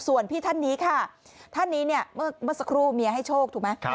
ส่วนพี่ท่านนี้ค่ะท่านนี้เนี่ยเมื่อสักครู่เมียให้โชคถูกไหม